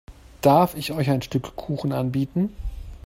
Darf ich euch ein Stück Kuchen anbieten?